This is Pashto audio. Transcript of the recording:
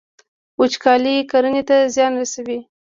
وچکالي کرنې ته زیان رسوي.